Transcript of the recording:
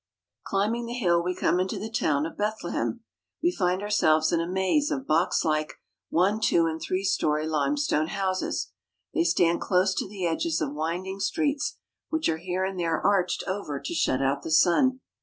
Climbing the hill, we come into the town of Bethlehem. We find ourselves in a maze of box like, one , two , and three story limestone houses. They stand close to the edges of winding streets, which are here and there arched over to shut out the sun.